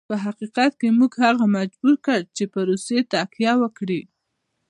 په حقیقت کې موږ هغه مجبور کړ چې پر روسیې تکیه وکړي.